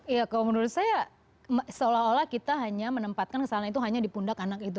ya kalau menurut saya seolah olah kita hanya menempatkan kesalahan itu hanya di pundak anak itu